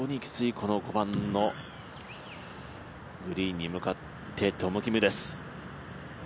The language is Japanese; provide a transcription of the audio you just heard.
この５番のグリーンに向かってトム・キムです。